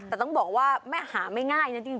แต่ต้องบอกว่าแม่หาไม่ง่ายนะจริง